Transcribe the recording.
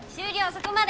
そこまで！